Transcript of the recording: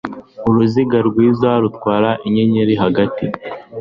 Uruziga rwiza rutwara inyenyeri hagati